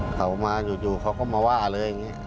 เขามาอยู่เขาก็มาว่าเลยอย่างนี้